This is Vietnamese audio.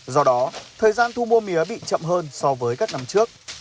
do đó thời gian thu mua mía bị chậm hơn so với các năm trước